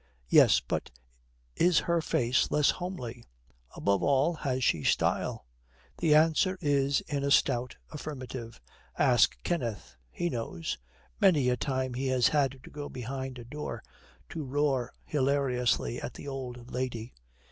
Yes, but is her face less homely? Above all, has she style? The answer is in a stout affirmative. Ask Kenneth. He knows. Many a time he has had to go behind a door to roar hilariously at the old lady.